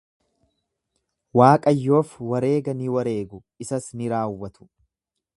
Waaqayyoof wareega ni wareegu, isas ni raawwatu.